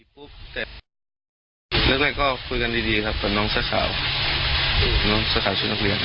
ปั้นข้อเลยก็คุยกันดีนะคะตัวน้องสาเหกา